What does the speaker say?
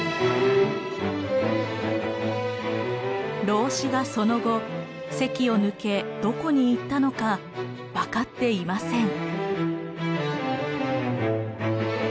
老子がその後関を抜けどこに行ったのか分かっていません。